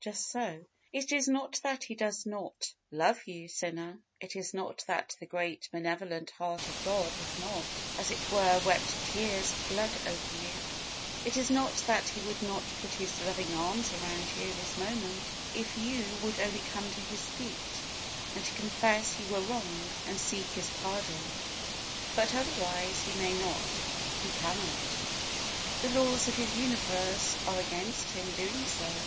Just so. It is not that He does not love you, sinner; it is not that the great, benevolent heart of God has not, as it were, wept tears of blood over you; it is not that He would not put His loving arms around you this moment, if you would only come to His feet, and confess you were wrong, and seek His pardon; but, otherwise, He may not He cannot. The laws of His universe are against Him doing so.